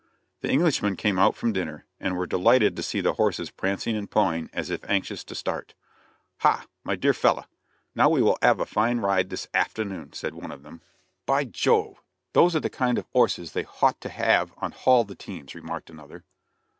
The Englishmen came out from dinner, and were delighted to see the horses prancing and pawing as if anxious to start. "Ha! my deah fellah, now we will 'ave a fine ride this hafternoon," said one of them. "By Jove! those are the kind of 'orses they hought to 'ave on hall the teams," remarked another.